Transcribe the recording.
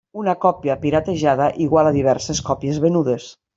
Una còpia “piratejada” igual a diverses còpies venudes.